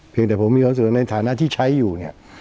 เพียงแต่ผมมีความสุขในฐานะที่ใช้อยู่เนี่ย